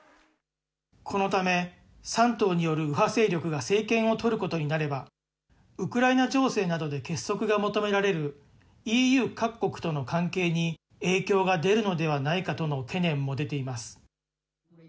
このため３党による右派勢力が政権を取ることになれば、ウクライナ情勢などで結束が求められるＥＵ各国との関係に影響が出るのではないかとの懸念も出ています。